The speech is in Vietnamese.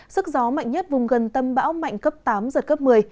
sức gió mạnh nhất vùng gần tâm bão mạnh cấp tám giật cấp một mươi